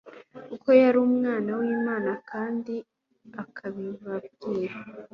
Kuko yari Umwana w'Imana kandi akabibabwira,